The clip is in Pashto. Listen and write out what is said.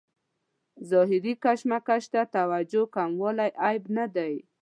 ظاهري کشمکش ته توجه کموالی عیب نه دی.